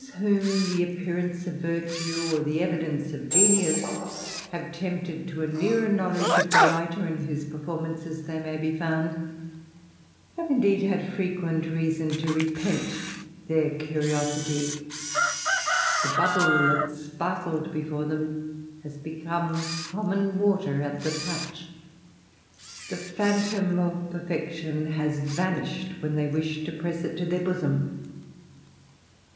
e whom the appearance of virtue, or the evidence of have tempted to a nearer knowledge of the writer in performances they may be found, have indeed had t reason to repent their curiosity ; the bubble that i before them has become common water at the the phantom of perfection has vanished when they to press it to their bosom.